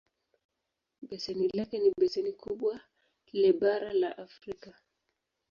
Beseni lake ni beseni kubwa le bara la Afrika.